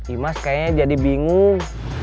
imaz kayaknya jadi bingung